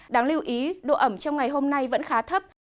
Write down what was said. đáng lưu ý độ ẩm trong ngày hôm nay vẫn khá thấp